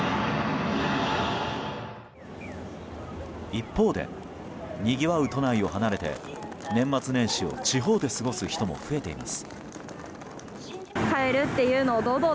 一方で、にぎわう都内を離れて年末年始を地方で過ごす人も増えています。